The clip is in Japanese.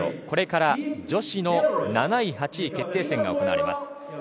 これから女子の７位、８位決定戦が行われます。